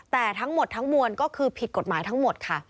แต่ทั้งหมดทั้งมวลก็คือผิดกฎหมายทั้งหมดค่ะ